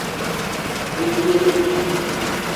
Bindeninga.